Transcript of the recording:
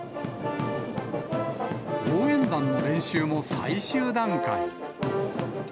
応援団の練習も最終段階。